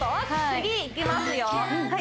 次いきますよ